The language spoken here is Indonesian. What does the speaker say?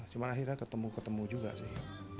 cuma akhirnya ketemu ketemu juga sih